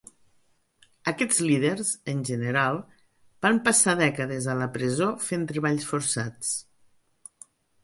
Aquests líders, en general, van passar dècades a la presó fent treballs forçats.